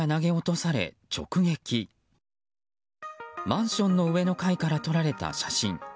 マンションの上の階から撮られた写真。